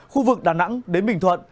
khu vực đà nẵng đến bình thuận